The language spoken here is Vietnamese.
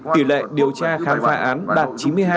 tỷ lệ điều tra khám phá án đạt chín mươi hai